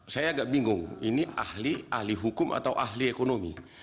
saya agak bingung ini ahli ahli hukum atau ahli ekonomi